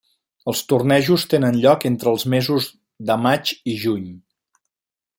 Els tornejos tenen lloc entre els mesos maig i juny.